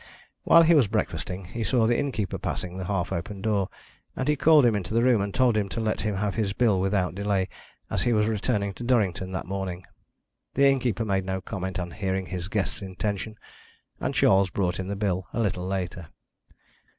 While he was breakfasting he saw the innkeeper passing the half open door, and he called him into the room and told him to let him have his bill without delay, as he was returning to Durrington that morning. The innkeeper made no comment on hearing his guest's intention, and Charles brought in the bill a little later.